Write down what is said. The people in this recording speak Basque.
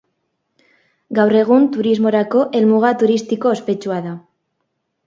Gaur egun turismorako helmuga turistiko ospetsua da.